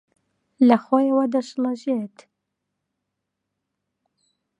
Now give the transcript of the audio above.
لەخۆیەوە دەشڵەژێت